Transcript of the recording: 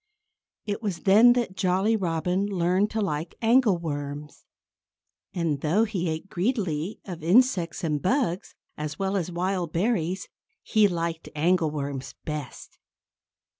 It was then that Jolly Robin learned to like angleworms. And though he ate greedily of insects and bugs, as well as wild berries, he liked angleworms best.